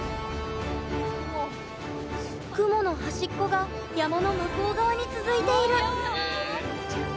雲の端っこが山の向こう側に続いている。